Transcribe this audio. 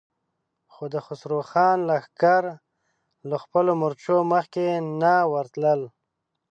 خو د خسرو خان لښکر له خپلو مورچو مخکې نه ورتلل.